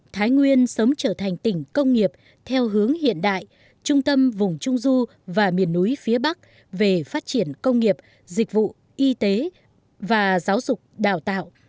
thái nguyên sớm trở thành tỉnh công nghiệp theo hướng hiện đại trung tâm vùng trung du và miền núi phía bắc về phát triển công nghiệp dịch vụ y tế và giáo dục đào tạo